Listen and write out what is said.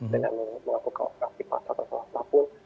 dengan melakukan operasi pasar atau apapun